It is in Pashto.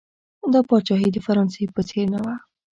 دا پاچاهي د فرانسې په څېر نه وه.